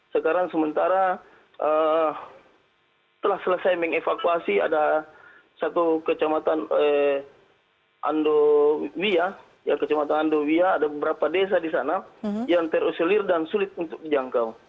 sekarang sementara telah selesai mengevakuasi ada satu kecamatan andowia ada beberapa desa di sana yang terus selir dan sulit untuk dijangkau